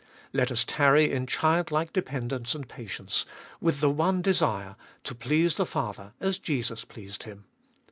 Let us tarry in childlike dependence and patience, with the one desire, to please the Father as Jesus pleased Him.